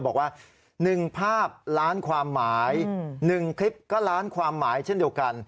บอกว่า๑ภาพล้านความหมาย๑คลิปก็ล้านความหมายเช่นเดียวกัน